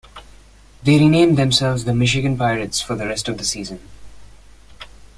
They then renamed themselves The Michigan Pirates for the rest of the season.